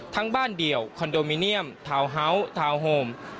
ทั้งบ้านเดี่ยวคอนโดมิเนียมทาวน์เฮาส์ทาวน์โฮม